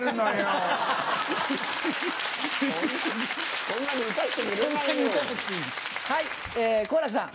はい。